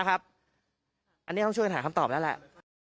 อันนี้ต้องช่วยกันหาคำตอบแล้วแหละ